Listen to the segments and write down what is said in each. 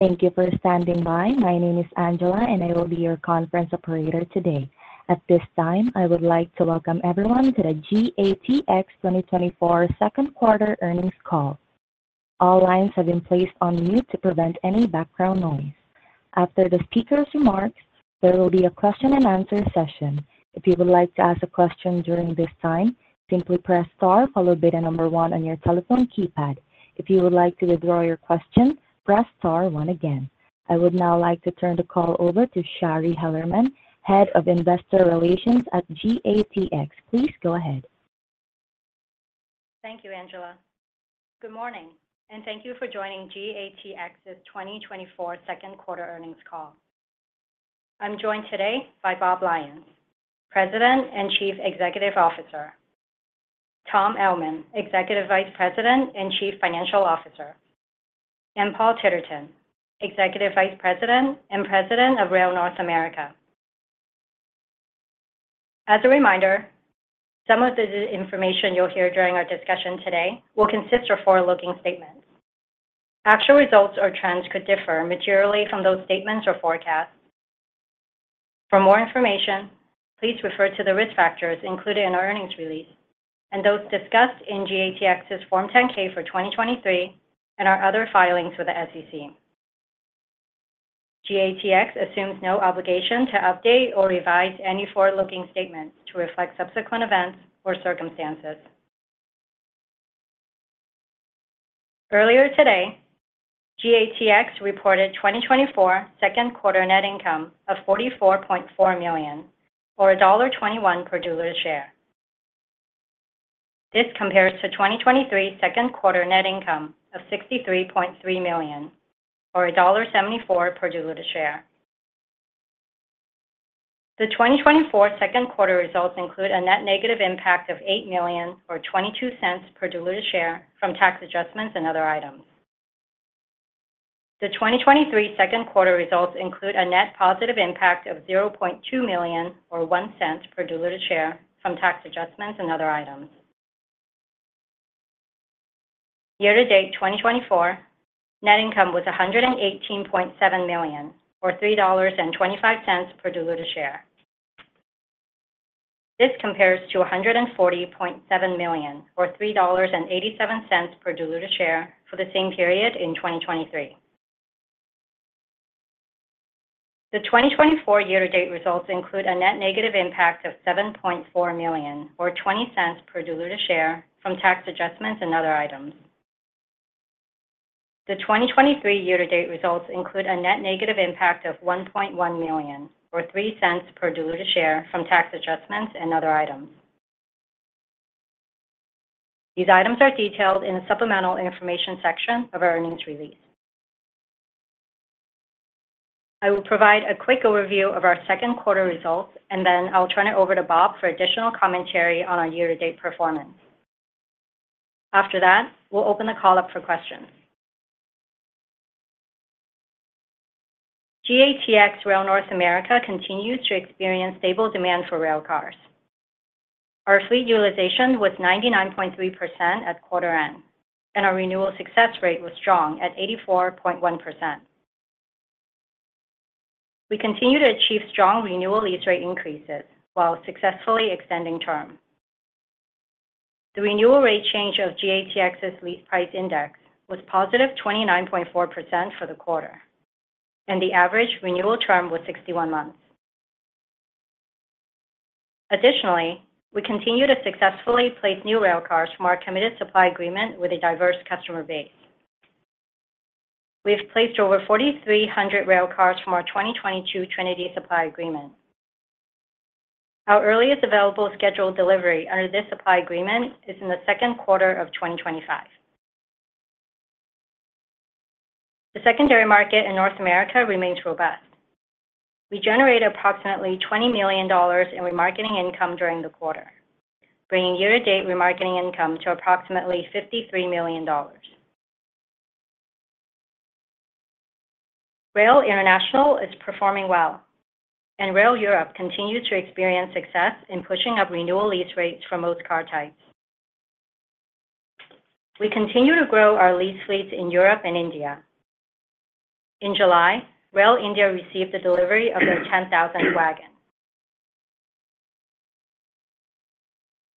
Thank you for standing by. My name is Angela, and I will be your conference operator today. At this time, I would like to welcome everyone to the GATX 2024 Second Quarter Earnings Call. All lines have been placed on mute to prevent any background noise. After the speaker's remarks, there will be a question-and-answer session. If you would like to ask a question during this time, simply press star followed by the number one on your telephone keypad. If you would like to withdraw your question, press star one again. I would now like to turn the call over to Shari Hellerman, Head of Investor Relations at GATX. Please go ahead. Thank you, Angela. Good morning, and thank you for joining GATX's 2024 Second Quarter Earnings Call. I'm joined today by Bob Lyons, President and Chief Executive Officer, Tom Ellman, Executive Vice President and Chief Financial Officer, and Paul Titterton, Executive Vice President and President of Rail North America. As a reminder, some of the information you'll hear during our discussion today will consist of forward-looking statements. Actual results or trends could differ materially from those statements or forecasts. For more information, please refer to the risk factors included in our earnings release and those discussed in GATX's Form 10-K for 2023 and our other filings with the SEC. GATX assumes no obligation to update or revise any forward-looking statements to reflect subsequent events or circumstances. Earlier today, GATX reported 2024 second quarter net income of $44.4 million, or $1.21 per diluted share. This compares to 2023 second quarter net income of $63.3 million, or $1.74 per diluted share. The 2024 second quarter results include a net negative impact of $8.0 million, or $0.22 per diluted share from tax adjustments and other items. The 2023 second quarter results include a net positive impact of $0.2 million, or $0.01 per diluted share from tax adjustments and other items. Year-to-date 2024 net income was $118.7 million, or $3.25 per diluted share. This compares to $140.7 million, or $3.87 per diluted share for the same period in 2023. The 2024 year-to-date results include a net negative impact of $7.4 million, or $0.20 per diluted share from tax adjustments and other items. The 2023 year-to-date results include a net negative impact of $1.1 million, or $0.03 per diluted share from tax adjustments and other items. These items are detailed in the supplemental information section of our earnings release. I will provide a quick overview of our second quarter results, and then I'll turn it over to Bob for additional commentary on our year-to-date performance. After that, we'll open the call up for questions. GATX Rail North America continues to experience stable demand for rail cars. Our fleet utilization was 99.3% at quarter end, and our renewal success rate was strong at 84.1%. We continue to achieve strong renewal lease rate increases while successfully extending terms. The renewal rate change of GATX's Lease Price Index was positive 29.4% for the quarter, and the average renewal term was 61 months. Additionally, we continue to successfully place new rail cars from our committed supply agreement with a diverse customer base. We have placed over 4,300 rail cars from our 2022 Trinity supply agreement. Our earliest available scheduled delivery under this supply agreement is in the second quarter of 2025. The secondary market in North America remains robust. We generated approximately $20 million in remarketing income during the quarter, bringing year-to-date remarketing income to approximately $53 million. RAIL International is performing well, and RAIL Europe continues to experience success in pushing up renewal lease rates for most car types. We continue to grow our lease fleets in Europe and India. In July, RAIL India received the delivery of their 10,000th wagon.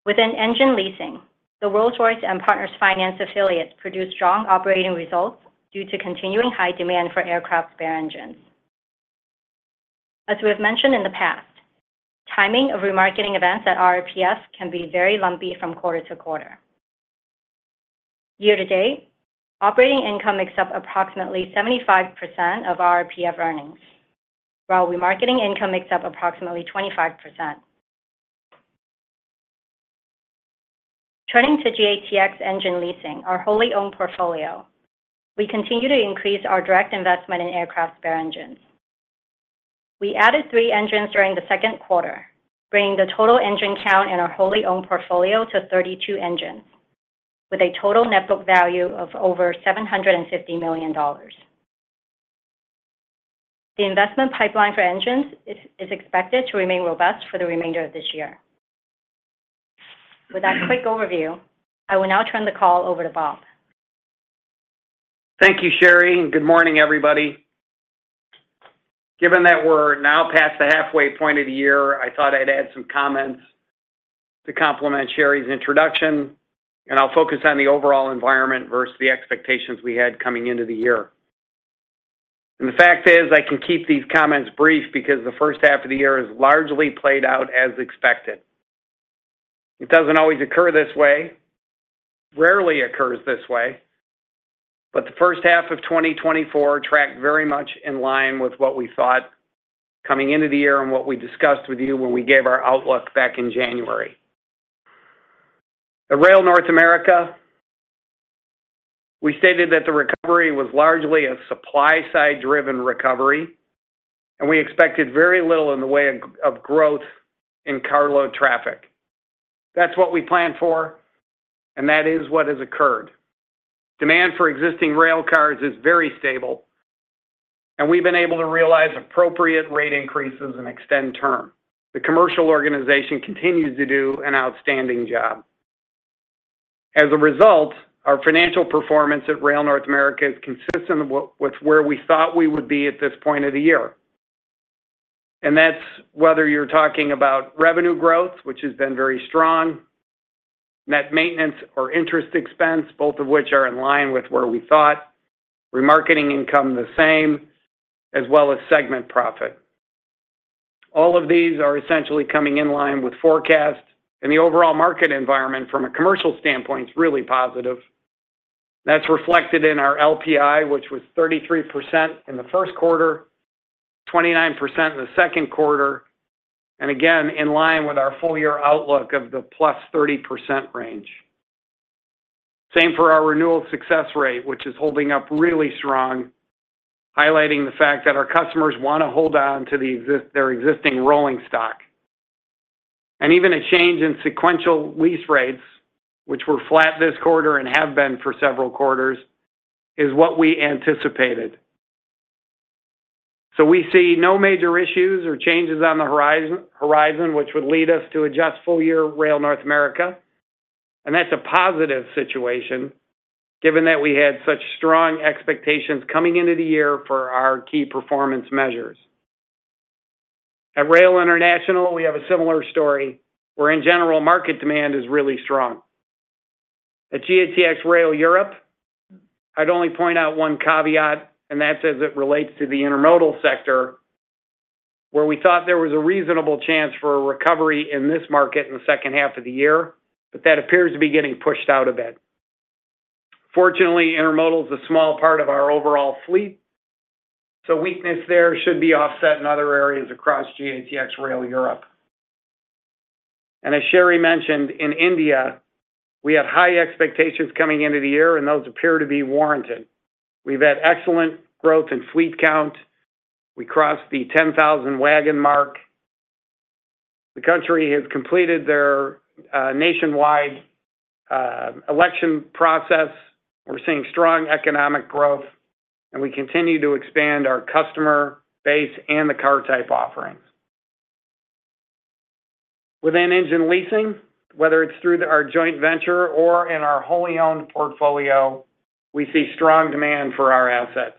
Within engine leasing, the Rolls-Royce and Partners Finance affiliates produce strong operating results due to continuing high demand for aircraft spare engines. As we have mentioned in the past, timing of remarketing events at RRPF can be very lumpy from quarter-to-quarter. Year-to-date, operating income makes up approximately 75% of RRPF earnings, while remarketing income makes up approximately 25%. Turning to GATX Engine Leasing, our wholly owned portfolio, we continue to increase our direct investment in aircraft spare engines. We added 3 engines during the second quarter, bringing the total engine count in our wholly owned portfolio to 32 engines, with a total net book value of over $750 million. The investment pipeline for engines is expected to remain robust for the remainder of this year. With that quick overview, I will now turn the call over to Bob. Thank you, Shari. Good morning, everybody. Given that we're now past the halfway point of the year, I thought I'd add some comments to complement Shari's introduction, and I'll focus on the overall environment versus the expectations we had coming into the year. The fact is, I can keep these comments brief because the first half of the year has largely played out as expected. It doesn't always occur this way. Rarely occurs this way, but the first half of 2024 tracked very much in line with what we thought coming into the year and what we discussed with you when we gave our outlook back in January. At Rail North America, we stated that the recovery was largely a supply-side-driven recovery, and we expected very little in the way of growth in carload traffic. That's what we planned for, and that is what has occurred. Demand for existing rail cars is very stable, and we've been able to realize appropriate rate increases and extend term. The commercial organization continues to do an outstanding job. As a result, our financial performance at Rail North America is consistent with where we thought we would be at this point of the year. And that's whether you're talking about revenue growth, which has been very strong, net maintenance or interest expense, both of which are in line with where we thought, remarketing income the same, as well as segment profit. All of these are essentially coming in line with forecasts, and the overall market environment from a commercial standpoint is really positive. That's reflected in our LPI, which was 33% in the first quarter, 29% in the second quarter, and again, in line with our full-year outlook of the +30% range. Same for our renewal success rate, which is holding up really strong, highlighting the fact that our customers want to hold on to their existing rolling stock. And even a change in sequential lease rates, which were flat this quarter and have been for several quarters, is what we anticipated. So we see no major issues or changes on the horizon, which would lead us to adjust full-year Rail North America. And that's a positive situation, given that we had such strong expectations coming into the year for our key performance measures. At Rail International, we have a similar story where, in general, market demand is really strong. At GATX RAIL Europe, I'd only point out one caveat, and that's as it relates to the intermodal sector, where we thought there was a reasonable chance for a recovery in this market in the second half of the year, but that appears to be getting pushed out a bit. Fortunately, intermodal is a small part of our overall fleet, so weakness there should be offset in other areas across GATX RAIL Europe. And as Shari mentioned, in India, we had high expectations coming into the year, and those appear to be warranted. We've had excellent growth in fleet count. We crossed the 10,000 wagon mark. The country has completed their nationwide election process. We're seeing strong economic growth, and we continue to expand our customer base and the car type offerings. Within engine leasing, whether it's through our joint venture or in our wholly owned portfolio, we see strong demand for our assets.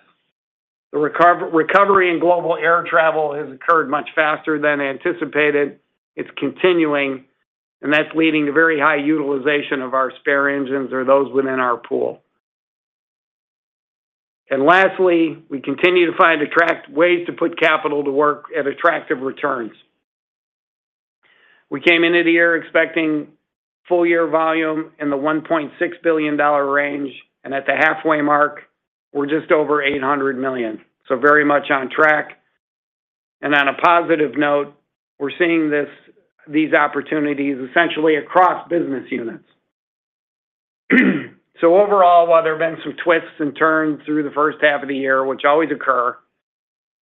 The recovery in global air travel has occurred much faster than anticipated. It's continuing, and that's leading to very high utilization of our spare engines or those within our pool. Lastly, we continue to find ways to put capital to work at attractive returns. We came into the year expecting full-year volume in the $1.6 billion range, and at the halfway mark, we're just over $800 million. Very much on track. On a positive note, we're seeing these opportunities essentially across business units. Overall, while there have been some twists and turns through the first half of the year, which always occur,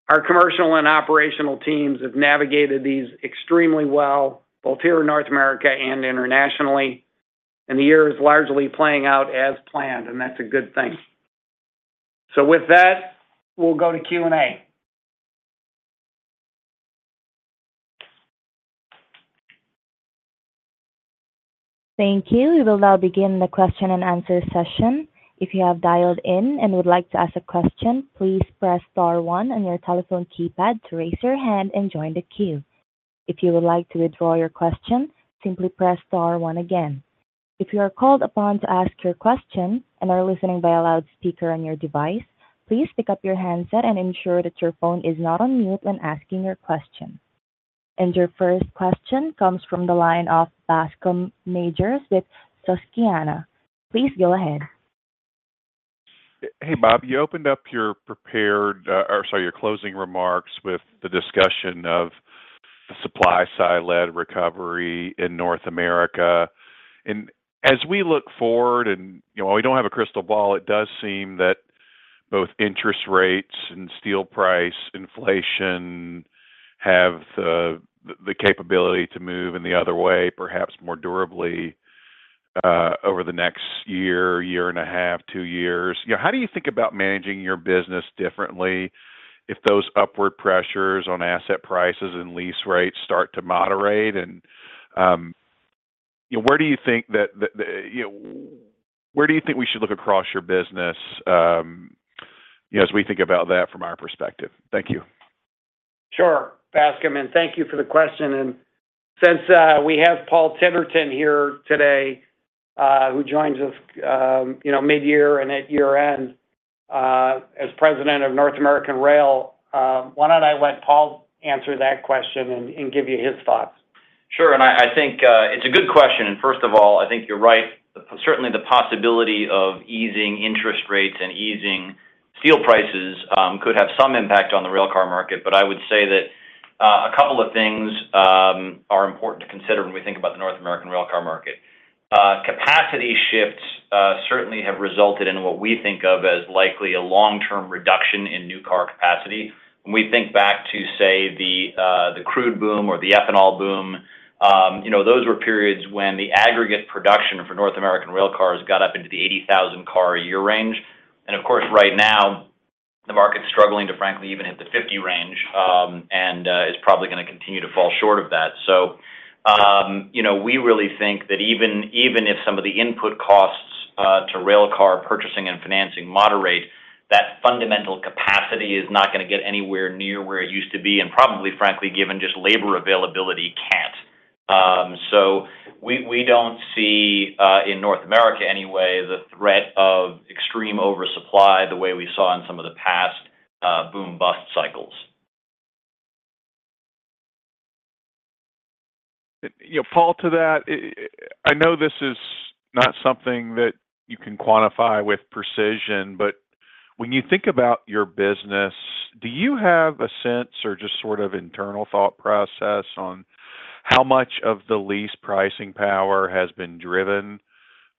our commercial and operational teams have navigated these extremely well, both here in North America and internationally, and the year is largely playing out as planned, and that's a good thing. With that, we'll go to Q&A. Thank you. We will now begin the question and answer session. If you have dialed in and would like to ask a question, please press star one on your telephone keypad to raise your hand and join the queue. If you would like to withdraw your question, simply press star one again. If you are called upon to ask your question and are listening via loudspeaker on your device, please pick up your handset and ensure that your phone is not on mute when asking your question. Your first question comes from the line of Bascome Majors with Susquehanna. Please go ahead. Hey, Bob. You opened up your prepared, sorry, your closing remarks with the discussion of the supply-side-led recovery in North America. And as we look forward, and while we don't have a crystal ball, it does seem that both interest rates and steel price inflation have the capability to move in the other way, perhaps more durably, over the next year, year and a half, two years. How do you think about managing your business differently if those upward pressures on asset prices and lease rates start to moderate? And where do you think that, where do you think we should look across your business as we think about that from our perspective? Thank you. Sure. Bascome, and thank you for the question. And since we have Paul Titterton here today, who joins us mid-year and at year-end as President of Rail North America, why don't I let Paul answer that question and give you his thoughts? Sure. And I think it's a good question. And first of all, I think you're right. Certainly, the possibility of easing interest rates and easing steel prices could have some impact on the railcar market, but I would say that a couple of things are important to consider when we think about the North American railcar market. Capacity shifts certainly have resulted in what we think of as likely a long-term reduction in new car capacity. When we think back to, say, the crude boom or the ethanol boom, those were periods when the aggregate production for North American railcars got up into the 80,000-car a year range. And of course, right now, the market's struggling to, frankly, even hit the 50 range and is probably going to continue to fall short of that. So we really think that even if some of the input costs to railcar purchasing and financing moderate, that fundamental capacity is not going to get anywhere near where it used to be and probably, frankly, given just labor availability, can't. So we don't see, in North America anyway, the threat of extreme oversupply the way we saw in some of the past boom-bust cycles. Paul, to that, I know this is not something that you can quantify with precision, but when you think about your business, do you have a sense or just sort of internal thought process on how much of the lease pricing power has been driven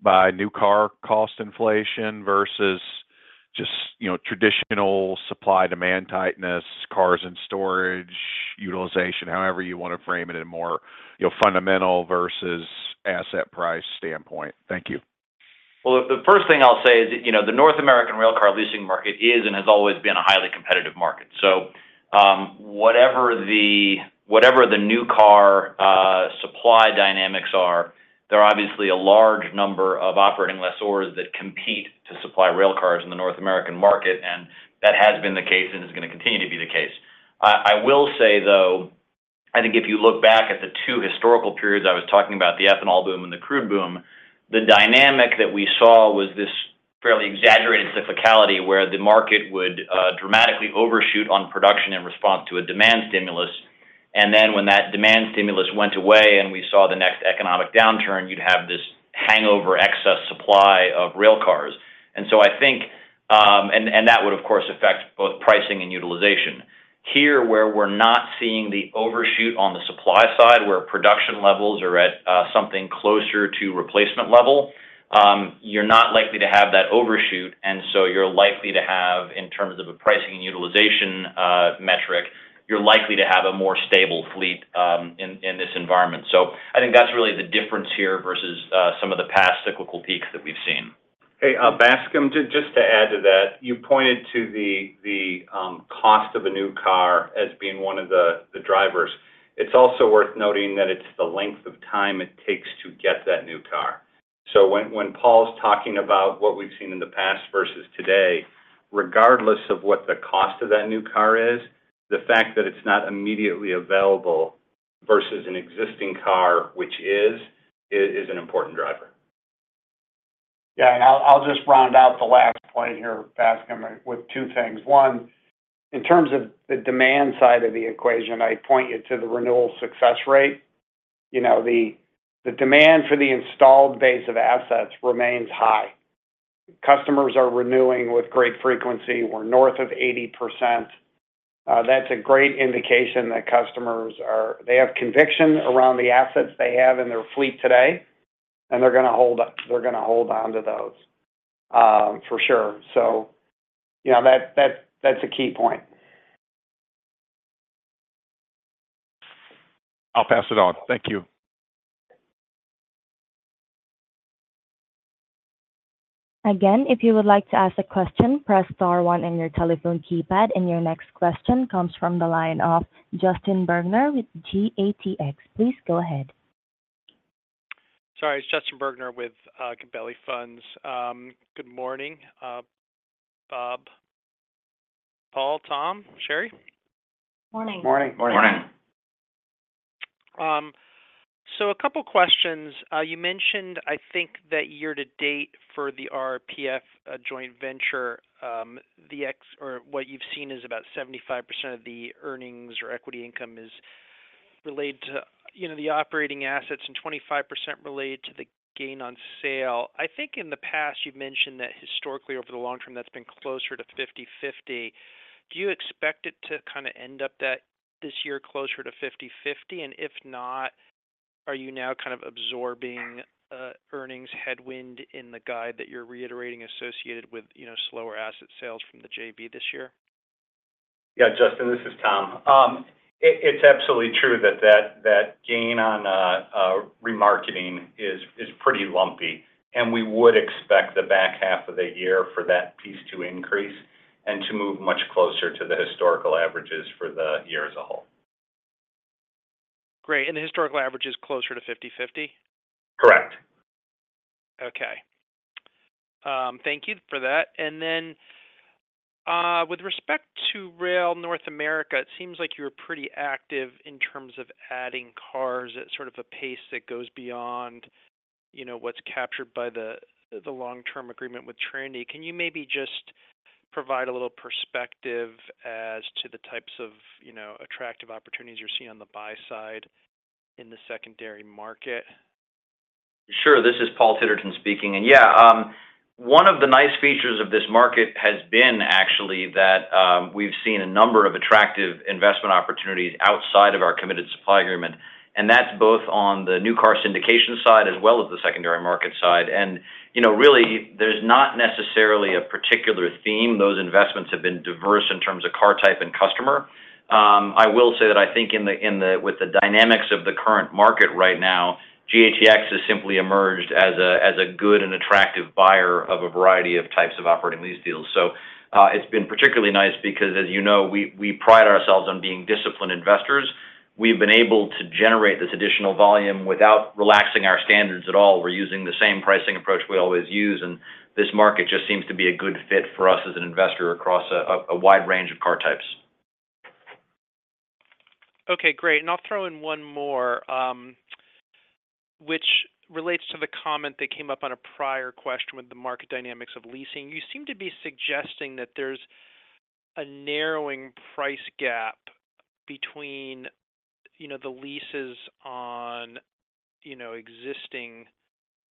by new car cost inflation versus just traditional supply-demand tightness, cars in storage, utilization, however you want to frame it in a more fundamental versus asset price standpoint? Thank you. Well, the first thing I'll say is that the North American rail car leasing market is and has always been a highly competitive market. So whatever the new car supply dynamics are, there are obviously a large number of operating lessors that compete to supply rail cars in the North American market, and that has been the case and is going to continue to be the case. I will say, though, I think if you look back at the two historical periods I was talking about, the ethanol boom and the crude boom, the dynamic that we saw was this fairly exaggerated cyclicality where the market would dramatically overshoot on production in response to a demand stimulus. And then when that demand stimulus went away and we saw the next economic downturn, you'd have this hangover excess supply of rail cars. And so I think, and that would, of course, affect both pricing and utilization. Here, where we're not seeing the overshoot on the supply side, where production levels are at something closer to replacement level, you're not likely to have that overshoot. And so you're likely to have, in terms of a pricing and utilization metric, you're likely to have a more stable fleet in this environment. So I think that's really the difference here versus some of the past cyclical peaks that we've seen. Hey, Bascome, just to add to that, you pointed to the cost of a new car as being one of the drivers. It's also worth noting that it's the length of time it takes to get that new car. So when Paul's talking about what we've seen in the past versus today, regardless of what the cost of that new car is, the fact that it's not immediately available versus an existing car, which is, is an important driver. Yeah. And I'll just round out the last point here, Bascome, with two things. One, in terms of the demand side of the equation, I point you to the renewal success rate. The demand for the installed base of assets remains high. Customers are renewing with great frequency. We're north of 80%.That's a great indication that customers have conviction around the assets they have in their fleet today, and they're going to hold on to those, for sure. So that's a key point. I'll pass it on. Thank you. Again, if you would like to ask a question, press star one on your telephone keypad, and your next question comes from the line of Justin Bergner with GATX. Please go ahead. Sorry. It's Justin Bergner with Gabelli Funds. Good morning, Bob, Paul, Tom, Shari. Morning. Morning. Morning. Morning. A couple of questions. You mentioned, I think, that year-to-date for the RPF joint venture, the mix or what you've seen is about 75% of the earnings or equity income is related to the operating assets and 25% related to the gain on sale. I think in the past, you've mentioned that historically, over the long term, that's been closer to 50/50. Do you expect it to kind of end up this year closer to 50/50? And if not, are you now kind of absorbing earnings headwind in the guide that you're reiterating associated with slower asset sales from the JV this year? Yeah. Justin, this is Tom. It's absolutely true that that gain on remarketing is pretty lumpy, and we would expect the back half of the year for that piece to increase and to move much closer to the historical averages for the year as a whole. Great. The historical average is closer to 50/50? Correct. Okay. Thank you for that. And then with respect to Rail North America, it seems like you're pretty active in terms of adding cars at sort of a pace that goes beyond what's captured by the long-term agreement with Trinity. Can you maybe just provide a little perspective as to the types of attractive opportunities you're seeing on the buy side in the secondary market? Sure. This is Paul Titterton speaking. Yeah, one of the nice features of this market has been actually that we've seen a number of attractive investment opportunities outside of our committed supply agreement. That's both on the new car syndication side as well as the secondary market side. Really, there's not necessarily a particular theme. Those investments have been diverse in terms of car type and customer. I will say that I think with the dynamics of the current market right now, GATX has simply emerged as a good and attractive buyer of a variety of types of operating lease deals. It's been particularly nice because, as you know, we pride ourselves on being disciplined investors. We've been able to generate this additional volume without relaxing our standards at all. We're using the same pricing approach we always use, and this market just seems to be a good fit for us as an investor across a wide range of car types. Okay. Great. And I'll throw in one more, which relates to the comment that came up on a prior question with the market dynamics of leasing. You seem to be suggesting that there's a narrowing price gap between the leases on existing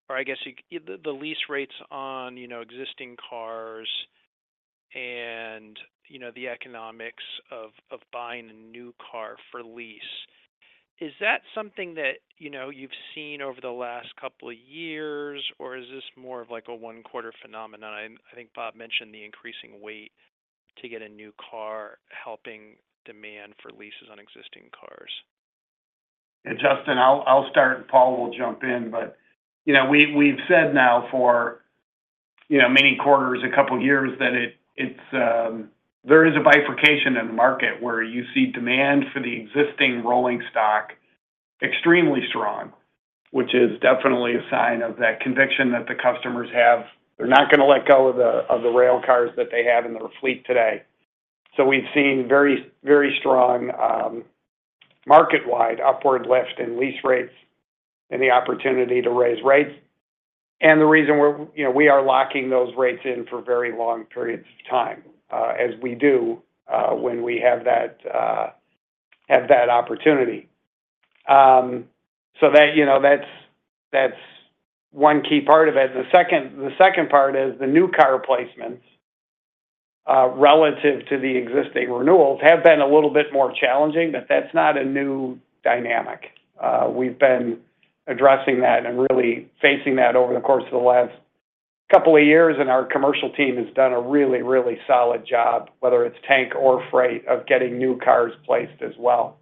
or, I guess, the lease rates on existing cars and the economics of buying a new car for lease. Is that something that you've seen over the last couple of years, or is this more of a one-quarter phenomenon? I think Bob mentioned the increasing weight to get a new car helping demand for leases on existing cars. And Justin, I'll start, and Paul will jump in, but we've said now for many quarters, a couple of years, that there is a bifurcation in the market where you see demand for the existing rolling stock extremely strong, which is definitely a sign of that conviction that the customers have. They're not going to let go of the rail cars that they have in their fleet today. So we've seen very strong market-wide upward lift in lease rates and the opportunity to raise rates. And the reason we are locking those rates in for very long periods of time, as we do when we have that opportunity. So that's one key part of it. And the second part is the new car placements relative to the existing renewals have been a little bit more challenging, but that's not a new dynamic. We've been addressing that and really facing that over the course of the last couple of years, and our commercial team has done a really, really solid job, whether it's tank or freight, of getting new cars placed as well.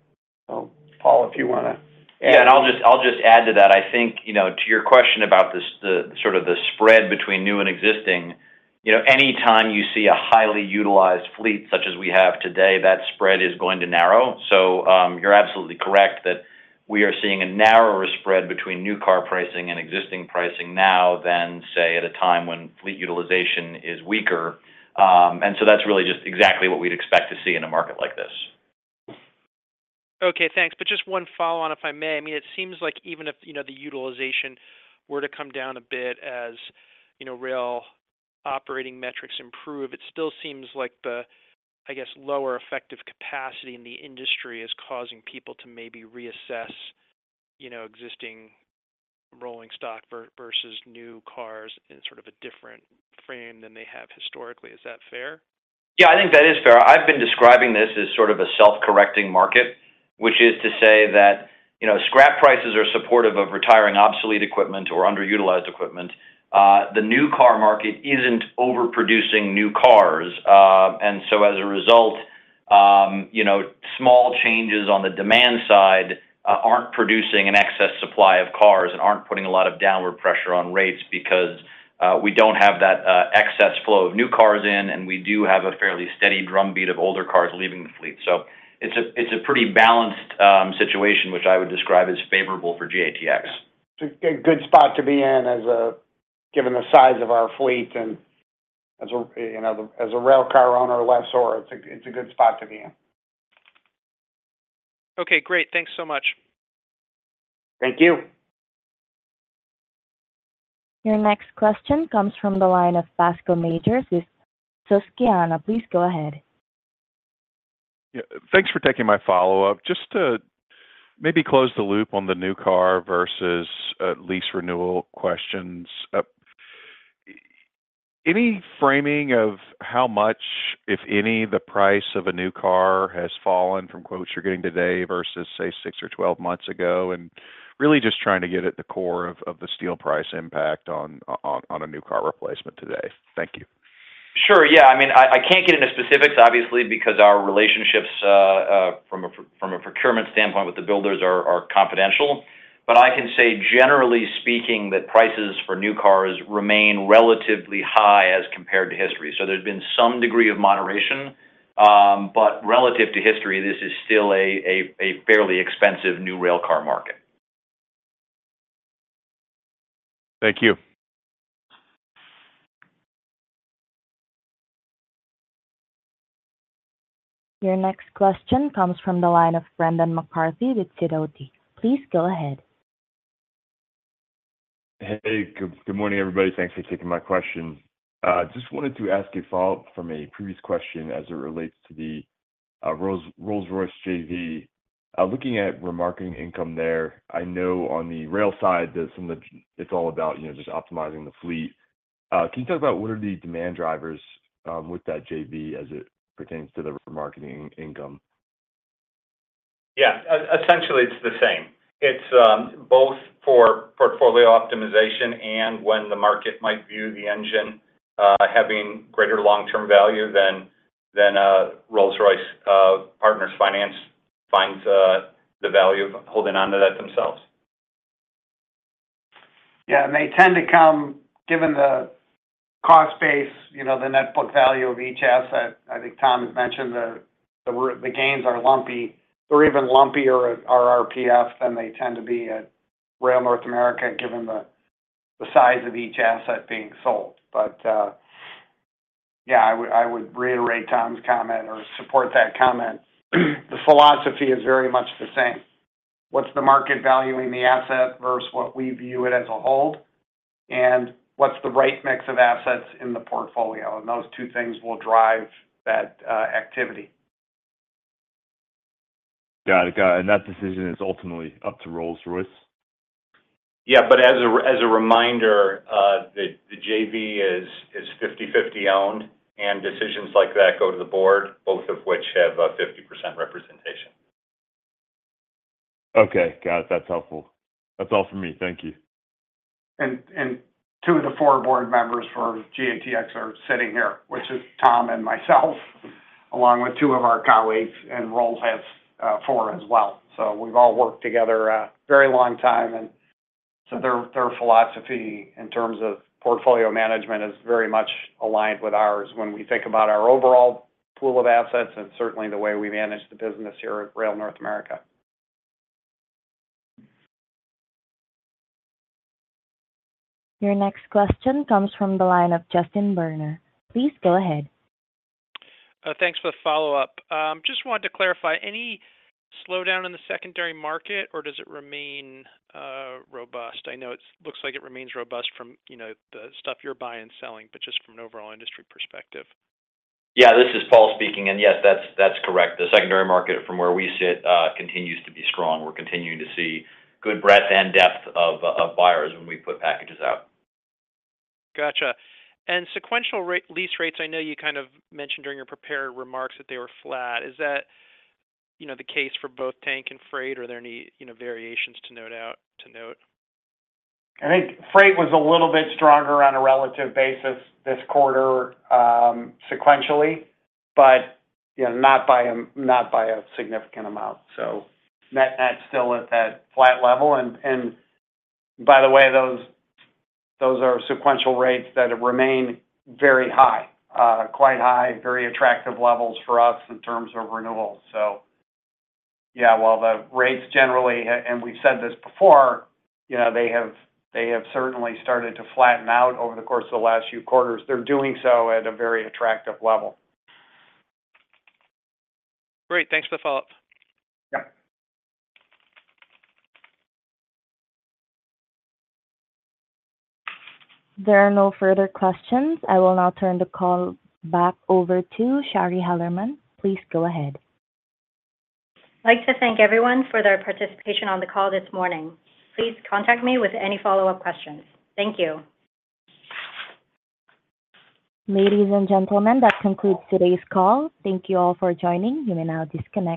So Paul, if you want to add. Yeah. And I'll just add to that. I think to your question about sort of the spread between new and existing, anytime you see a highly utilized fleet such as we have today, that spread is going to narrow. So you're absolutely correct that we are seeing a narrower spread between new car pricing and existing pricing now than, say, at a time when fleet utilization is weaker. And so that's really just exactly what we'd expect to see in a market like this. Okay. Thanks. Just one follow-on, if I may. I mean, it seems like even if the utilization were to come down a bit as rail operating metrics improve, it still seems like the, I guess, lower effective capacity in the industry is causing people to maybe reassess existing rolling stock versus new cars in sort of a different frame than they have historically. Is that fair? Yeah. I think that is fair. I've been describing this as sort of a self-correcting market, which is to say that scrap prices are supportive of retiring obsolete equipment or underutilized equipment. The new car market isn't overproducing new cars. And so as a result, small changes on the demand side aren't producing an excess supply of cars and aren't putting a lot of downward pressure on rates because we don't have that excess flow of new cars in, and we do have a fairly steady drumbeat of older cars leaving the fleet. So it's a pretty balanced situation, which I would describe as favorable for GATX. It's a good spot to be in given the size of our fleet and as a railcar owner or lessor, it's a good spot to be in. Okay. Great. Thanks so much. Thank you. Your next question comes from the line of Bascome Majors. Susquehanna, please go ahead. Yeah. Thanks for taking my follow-up. Just to maybe close the loop on the new car versus lease renewal questions. Any framing of how much, if any, the price of a new car has fallen from quotes you're getting today versus, say, 6 or 12 months ago? And really just trying to get at the core of the steel price impact on a new car replacement today. Thank you. Sure. Yeah. I mean, I can't get into specifics, obviously, because our relationships from a procurement standpoint with the builders are confidential. But I can say, generally speaking, that prices for new cars remain relatively high as compared to history. So there's been some degree of moderation. But relative to history, this is still a fairly expensive new rail car market. Thank you. Your next question comes from the line of Brendan McCarthy with Sidoti. Please go ahead. Hey. Good morning, everybody. Thanks for taking my question. Just wanted to ask a follow-up from a previous question as it relates to the Rolls-Royce JV. Looking at remarketing income there, I know on the rail side that it's all about just optimizing the fleet. Can you talk about what are the demand drivers with that JV as it pertains to the remarketing income? Yeah. Essentially, it's the same. It's both for portfolio optimization and when the market might view the engine having greater long-term value than Rolls-Royce and Partners Finance finds the value of holding on to that themselves. Yeah. And they tend to come, given the cost base, the net book value of each asset. I think Tom has mentioned the gains are lumpy. They're even lumpier at RPF than they tend to be at Rail North America given the size of each asset being sold. But yeah, I would reiterate Tom's comment or support that comment. The philosophy is very much the same. What's the market value in the asset versus what we view it as a hold, and what's the right mix of assets in the portfolio? And those two things will drive that activity. Got it. Got it. And that decision is ultimately up to Rolls-Royce? Yeah. But as a reminder, the JV is 50/50 owned, and decisions like that go to the board, both of which have 50% representation. Okay. Got it. That's helpful. That's all for me. Thank you. Two of the four board members for GATX are sitting here, which is Tom and myself, along with two of our colleagues, and Rolls has four as well. So we've all worked together a very long time. So their philosophy in terms of portfolio management is very much aligned with ours when we think about our overall pool of assets and certainly the way we manage the business here at Rail North America. Your next question comes from the line of Justin Bergner. Please go ahead. Thanks for the follow-up. Just wanted to clarify, any slowdown in the secondary market, or does it remain robust? I know it looks like it remains robust from the stuff you're buying and selling, but just from an overall industry perspective. Yeah. This is Paul speaking. Yes, that's correct. The secondary market, from where we sit, continues to be strong. We're continuing to see good breadth and depth of buyers when we put packages out. Gotcha. And sequential lease rates, I know you kind of mentioned during your prepared remarks that they were flat. Is that the case for both tank and freight, or are there any variations to note? I think freight was a little bit stronger on a relative basis this quarter sequentially, but not by a significant amount. So net net still at that flat level. And by the way, those are sequential rates that remain very high, quite high, very attractive levels for us in terms of renewal. So yeah, while the rates generally, and we've said this before, they have certainly started to flatten out over the course of the last few quarters, they're doing so at a very attractive level. Great. Thanks for the follow-up. Yep. There are no further questions. I will now turn the call back over to Shari Hellerman. Please go ahead. I'd like to thank everyone for their participation on the call this morning. Please contact me with any follow-up questions. Thank you. Ladies and gentlemen, that concludes today's call. Thank you all for joining. You may now disconnect.